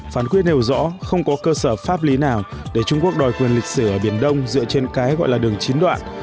phán quyết nêu rõ không có cơ sở pháp lý nào để trung quốc đòi quyền lịch sử ở biển đông dựa trên cái gọi là đường chín đoạn